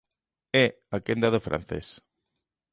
É a quenda do francés.